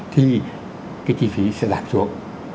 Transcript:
thì cái chi phí sẽ giảm xuống